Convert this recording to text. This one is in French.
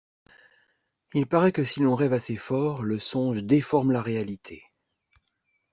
Il paraît que si l’on rêve assez fort, le songe déforme la réalité.